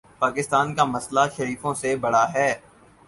پاکستان کا مسئلہ شریفوں سے بڑا ہے۔